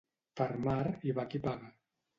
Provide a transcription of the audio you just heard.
Per mar hi va qui paga.